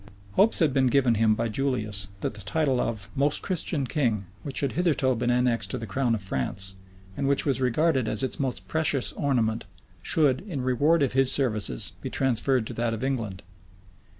{1512.} Hopes had been given him by Julius, that the title of "most Christian king," which had hitherto been annexed to the crown of France, and which was regarded as its most precious ornament, should, in reward of his services, be transferred to that of England.